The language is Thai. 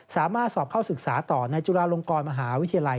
สามารถสอบเข้าศึกษาต่อในจุฬาลงกรมหาวิทยาลัย